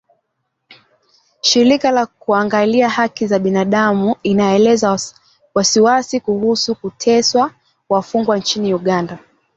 Shirika la Kuangalia Haki za Binadamu inaelezea wasiwasi kuhusu kuteswa wafungwa nchini Uganda.